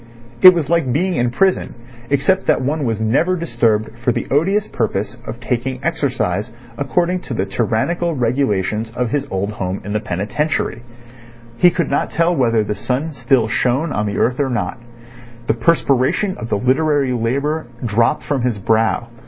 It was like being in prison, except that one was never disturbed for the odious purpose of taking exercise according to the tyrannical regulations of his old home in the penitentiary. He could not tell whether the sun still shone on the earth or not. The perspiration of the literary labour dropped from his brow.